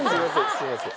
すいません。